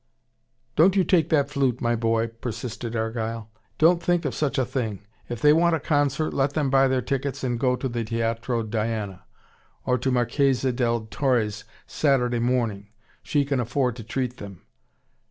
"Don't you take that flute, my boy," persisted Argyle. "Don't think of such a thing. If they want a concert, let them buy their tickets and go to the Teatro Diana. Or to Marchesa del Torre's Saturday morning. She can afford to treat them."